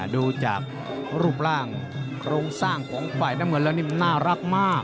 ดูจากรูปร่างโครงสร้างวิทยุภวร์แนมวิทยุและนี่มันน่ารักมาก